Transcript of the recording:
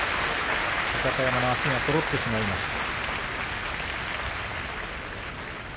豊山の足がそろってしまいました。